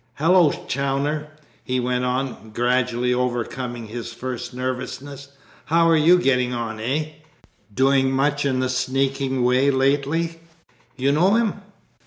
Hallo, Chawner!" he went on, gradually overcoming his first nervousness, "how are you getting on, eh? Doing much in the sneaking way lately?" "You know him!"